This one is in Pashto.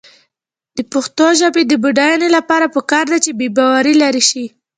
د پښتو ژبې د بډاینې لپاره پکار ده چې بېباوري لرې شي.